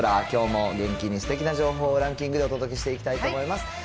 きょうも元気にすてきな情報をランキングでお届けしていきたいと思います。